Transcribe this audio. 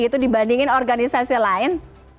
itu dibandingin organisasi lain